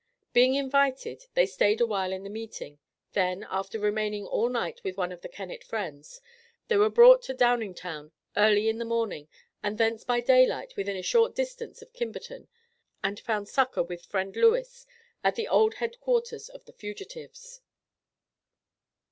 Being invited, they stayed awhile in the meeting, then, after remaining all night with one of the Kennett friends, they were brought to Downingtown early in the morning and thence, by daylight, within a short distance of Kimberton, and found succor with friend Lewis, at the old headquarters of the fugitives.